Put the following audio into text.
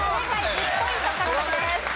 １０ポイント獲得です。